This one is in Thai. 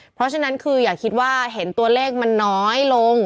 เพราะฉะนั้นคืออย่าคิดว่าเห็นตัวเลขมันน้อยลง